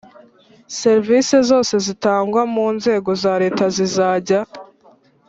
Serivisi zose zitangirwa mu Nzego za Leta zizajya